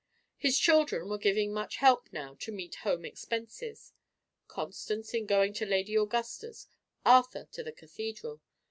His children were giving much help now to meet home expenses Constance, in going to Lady Augusta's; Arthur, to the Cathedral.